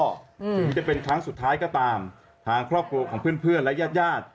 ถึงจะเป็นครั้งสุดท้ายก็ตามทางครอบครัวของเพื่อนเพื่อนและญาติญาติ